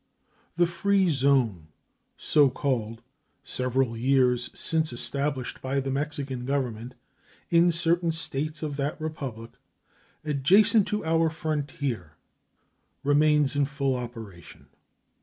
The free zone, so called, several years since established by the Mexican Government in certain of the States of that Republic adjacent to our frontier, remains in full operation.